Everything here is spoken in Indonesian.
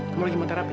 kamu lagi mau terapi